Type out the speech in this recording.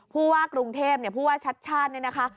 ผู้ว่ากรุงเทพผู้ว่าชัดชาติเนี่ยนะคะ